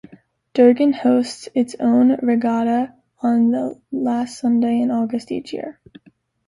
Durgan hosts its own regatta on the last Sunday in August each year.